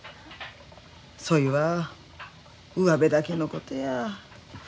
そいはうわべだけのことや。